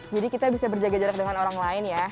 jadi kita bisa berjaga jarak dengan orang lain ya